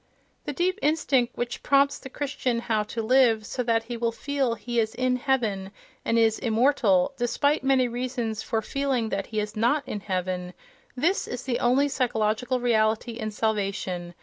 The deep instinct which prompts the Christian how to live so that he will feel that he is "in heaven" and is "immortal," despite many reasons for feeling that he is not "in heaven": this is the only psychological reality in "salvation."